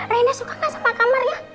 reina suka gak sama kamarnya